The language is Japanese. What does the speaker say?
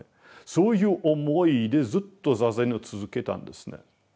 そういう思いでずっと坐禅を続けたんですね。